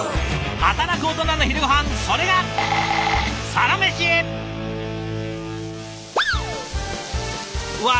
働くオトナの昼ごはんそれがわあ